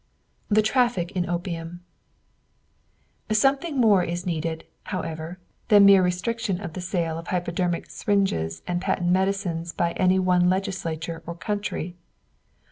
THE TRAFFIC IN OPIUM Something more is needed, however, than mere restriction of the sale of hypodermic syringes and patent medicines by any one legislature or country.